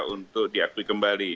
untuk diakui kembali